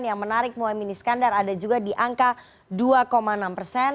yang menarik muhaymin iskandar ada juga di angka dua enam persen